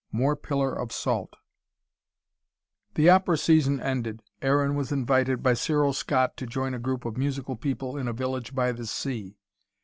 MORE PILLAR OF SALT The opera season ended, Aaron was invited by Cyril Scott to join a group of musical people in a village by the sea.